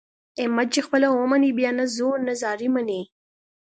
احمد چې خپله ومني بیا نه زور نه زارۍ مني.